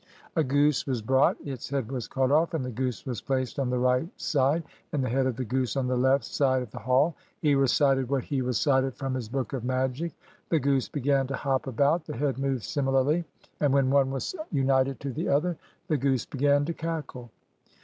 A goose was brought, "its head was cut off and the goose was placed on the right side, and the head of the goose on the left side of the hall; he recited what he recited from his book of magic, the goose began to hop about, the head moved similarly, and, when one was united to the other, the goose began to cackle.